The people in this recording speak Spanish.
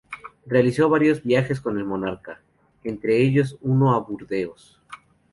Realizó varios viajes con el monarca, entre ellos uno a Burdeos.